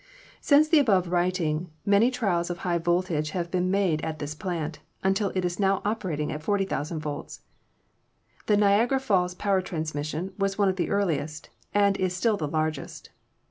Since the above writing many trials of high voltage have been made at this plant, until it is now operating at 40,000 volts. The Niagara Falls Power Transmission was one of the earliest, and is still the largest.